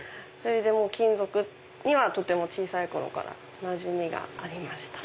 金属にはとても小さい頃からなじみがありました。